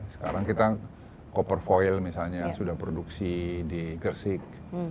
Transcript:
sekarang kita cover foil misalnya sudah produksi di gersik